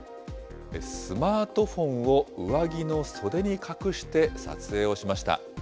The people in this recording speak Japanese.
スマートフォンを上着の袖に隠して撮影をしました。